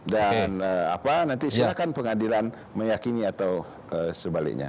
dan nanti silakan pengadilan meyakini atau sebaliknya